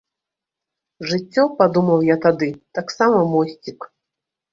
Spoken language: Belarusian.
Жыццё, падумаў я тады, таксама мосцік.